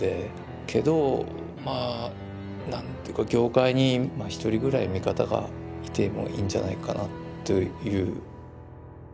けどまあ何ていうか業界に１人ぐらい味方がいてもいいんじゃないかなという。